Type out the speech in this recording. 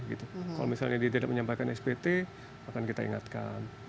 kalau misalnya ditidak menyampaikan spt akan kita ingatkan